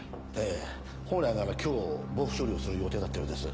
ええ本来なら今日防腐処理をする予定だったようです。